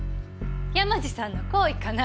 山路さんの厚意かな？